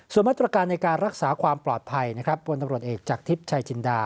ส่วนมาตรการในการรักษาความปลอดภัยนะครับพลตำรวจเอกจากทิพย์ชัยจินดา